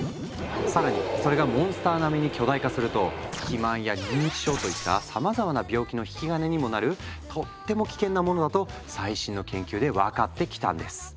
更にそれがモンスター並みに巨大化すると肥満や認知症といったさまざまな病気の引き金にもなるとっても危険なものだと最新の研究で分かってきたんです。